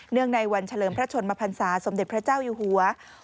ในวันเฉลิมพระชนมพันศาสมเด็จพระเจ้าอยู่หัว